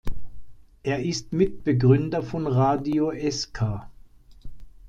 Er ist Mitbegründer von Radio Eska.